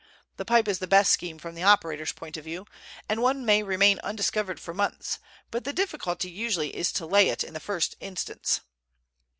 The pipe is the best scheme from the operator's point of view, and one may remain undiscovered for months, but the difficulty usually is to lay it in the first instance.